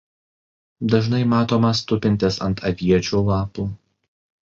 Dažnai matomas tupintis ant aviečių lapų.